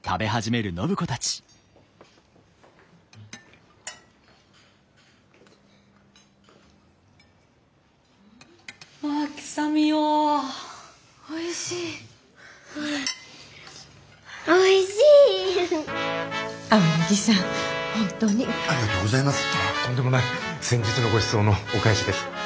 先日のごちそうのお返しです。